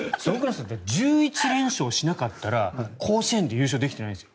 １１連勝しなかったら甲子園で優勝できてないですよ。